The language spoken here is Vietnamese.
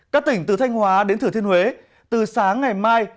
các tỉnh từ thanh hóa đến thừa thiên huế từ sáng ngày mai